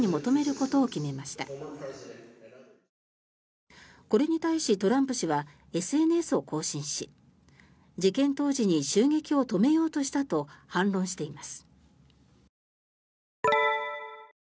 これに対しトランプ氏はＳＮＳを更新し事件当時に襲撃を止めようとしたと反論しています。